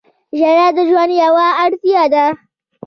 • ژړا د ژوند یوه اړتیا ده.